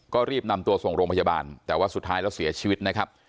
ก็รีบนำตัวส่งโรงพยาบาลแต่ว่าสุดท้ายแล้วเสียชีวิตนะครับ